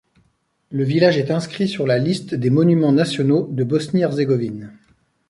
Le village est inscrit sur la liste des monuments nationaux de Bosnie-Herzégovine.